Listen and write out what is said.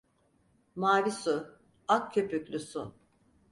Mavi su, ak köpüklü su!